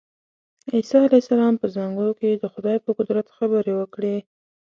عیسی علیه السلام په زانګو کې د خدای په قدرت خبرې وکړې.